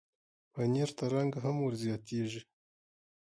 پنېر ته رنګ هم ورزیاتېږي.